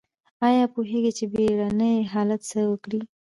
ایا پوهیږئ چې بیړني حالت کې څه وکړئ؟